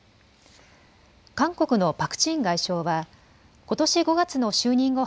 韓国のパク・チン外相はことし５月の就任後